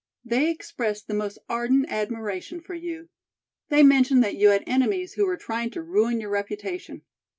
They expressed the most ardent admiration for you. They mentioned that you had enemies who were trying to ruin your reputation."